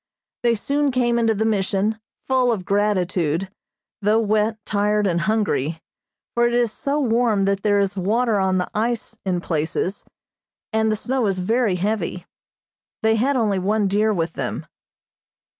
They soon came into the Mission, full of gratitude, though wet, tired and hungry, for it is so warm that there is water on the ice in places, and the snow is very heavy. They had only one deer with them.